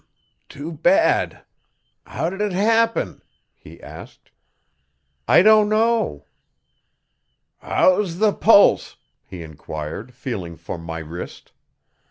Too bad. How'd it happen?' he asked. 'I don't know.' 'How's the pulse?' he enquired, feeling for my wrist.